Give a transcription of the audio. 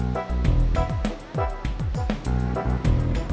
nasik nasik nasik